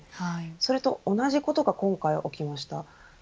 それと同じことが今回、起きました。